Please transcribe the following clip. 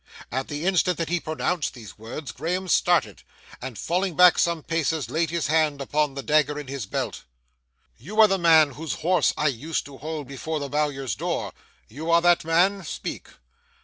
At the instant that he pronounced these words Graham started, and falling back some paces, laid his hand upon the dagger in his belt. 'You are the man whose horse I used to hold before the Bowyer's door? You are that man? Speak!